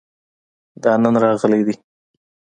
دا نن راغلی دی